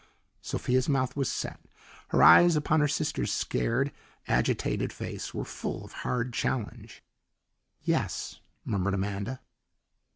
Sophia's mouth was set; her eyes upon her sister's scared, agitated face were full of hard challenge. "Yes," murmured Amanda.